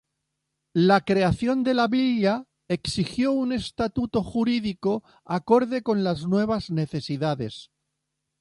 La creación de la villa exigió un estatuto jurídico acorde con las nuevas necesidades.